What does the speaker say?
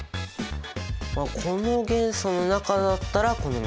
この元素の中だったらこの３つかな。